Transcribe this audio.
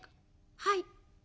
「はい。